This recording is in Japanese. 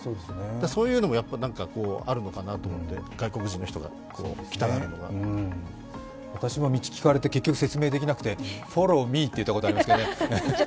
そういうのもあるのかなと思って、外国人の人が来たがるのが私も道聞かれて、結局説明できなくて、フォロー・ミーって言ったことありますけど。